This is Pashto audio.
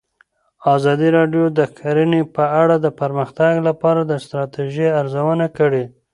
ازادي راډیو د کرهنه په اړه د پرمختګ لپاره د ستراتیژۍ ارزونه کړې.